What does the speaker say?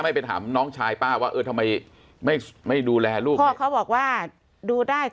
ไม่ไปถามน้องชายป้าว่าเออทำไมไม่ไม่ดูแลลูกพ่อเขาบอกว่าดูได้